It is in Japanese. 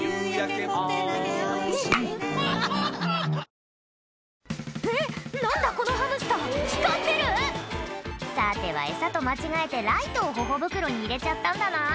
香りに驚くアサヒの「颯」えっ何だこのハムスター光ってる⁉さてはエサと間違えてライトを頬袋に入れちゃったんだな